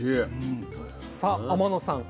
さあ天野さん